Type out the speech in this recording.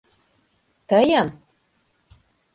— Тыйын...